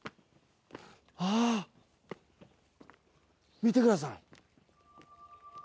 見てください。